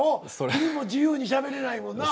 君も自由にしゃべれないもんな。